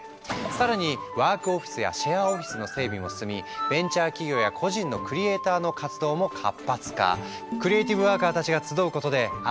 更にワークオフィスやシェアオフィスの整備も進みベンチャー企業や個人のクリエーターの活動も活発化。も始まっているんだって。